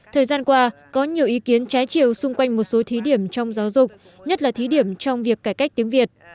thời gian qua có nhiều ý kiến trái chiều xung quanh một số thí điểm trong giáo dục nhất là thí điểm trong việc cải cách tiếng việt